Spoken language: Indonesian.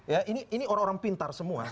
ya ini orang orang pintar semua